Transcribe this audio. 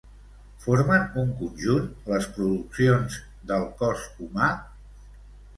Formen un conjunt, les produccions d'El cos humà?